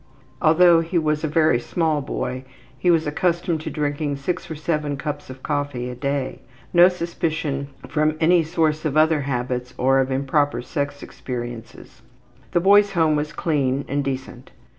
Although he was a very small boy he was accustomed to drinking six or seven cups of coffee a day. No suspicion from any source of other bad habits or of improper sex experiences. The boy's home was clean and decent.